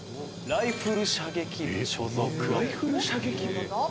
「ライフル射撃部？」